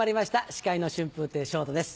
司会の春風亭昇太です。